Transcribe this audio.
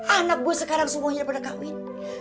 anak gue sekarang semuanya sudah berkahwin